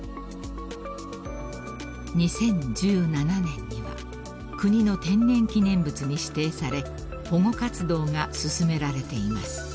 ［２０１７年には国の天然記念物に指定され保護活動が進められています］